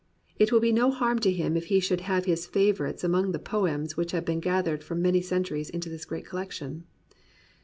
It will be no harm to him if he should have his favourites among the poems which have been gathered from many centuries into this great collection.